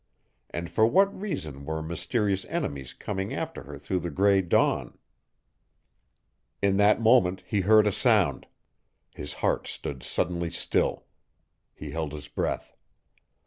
And for what reason were mysterious enemies coming after her through the gray dawn? In that moment he heard a sound. His heart stood suddenly still. He held his breath.